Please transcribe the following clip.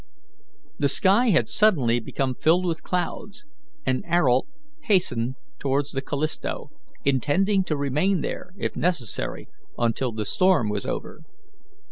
The sky had suddenly become filled with clouds, and Ayrault hastened towards the Callisto, intending to remain there, if necessary, until the storm was over.